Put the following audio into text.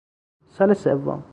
سال سوم